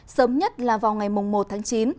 sớm nhất là vào ngày một tháng chín